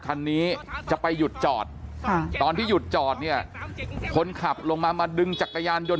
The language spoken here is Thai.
คันนี้จะไปหยุดจอดตอนที่หยุดจอดเนี่ยคนขับลงมามาดึงจักรยานยนต